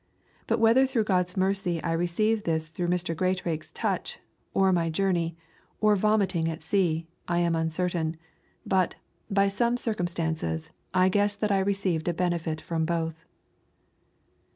But whether through God's mercy I received this through Mr. Greatrackes' touch, or my journey and vomiting at sea, I am uncertain; but, by some circumstances, I guess that I received a benefit from both."